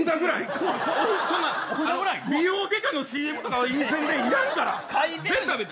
美容外科のＣＭとかはいらんから。